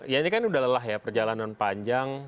ya ini kan udah lelah ya perjalanan panjang